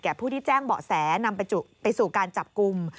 ผู้ที่แจ้งเบาะแสนำไปสู่การจับกลุ่ม